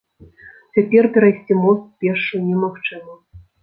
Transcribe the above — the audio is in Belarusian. Цяпер перайсці мост пешшу немагчыма.